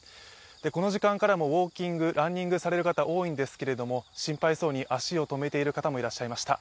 この時間からもウォーキング、ランニングされる方も多いんですけれども心配そうに足を止めている方もいらっしゃいました。